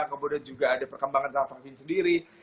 kemudian juga ada perkembangan tentang vaksin sendiri